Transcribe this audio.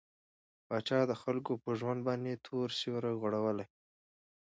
پاچا د خلکو په ژوند باندې تور سيورى غوړولى.